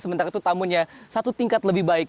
sementara itu tamunya satu tingkat lebih baik